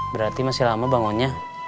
berarti masih lama bangunnya